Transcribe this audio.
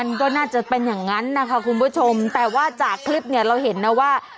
มันก็น่าจะเป็นอย่างนั้นนะคะคุณผู้ชมแต่ว่าจากคลิปเนี่ยเราเห็นนะว่า